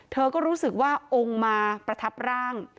เธอก็รู้สึกว่าองค์มาประทับร่าง